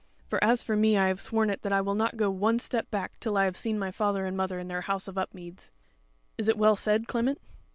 For as for me, I have sworn it that I will not go one step back till I have seen my father and mother in their house of Upmeads. Is it well said, Clement?"